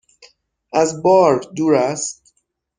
از بار دور است؟